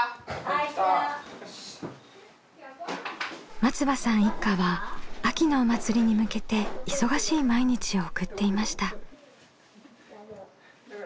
松場さん一家は秋のお祭りに向けて忙しい毎日を送っていました。